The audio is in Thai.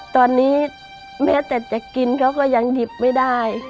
ตอนนี้แม้แต่จะกินเขาก็ยังหยิบไม่ได้